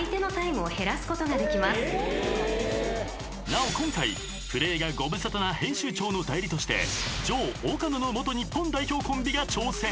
［なお今回プレーがご無沙汰な編集長の代理として城岡野の元日本代表コンビが挑戦］